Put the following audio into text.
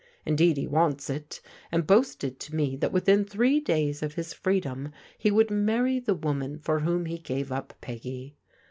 Indeed he wants it, and boasted to me that within three days of his freedom he would marry the woman for whom he gave up Peggy.